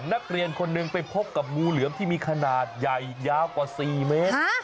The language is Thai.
นักเรียนคนหนึ่งไปพบกับงูเหลือมที่มีขนาดใหญ่ยาวกว่า๔เมตร